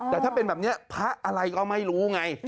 แต่ถ้าเป็นแบบนี้พระอะไรก็ไม่รู้ไง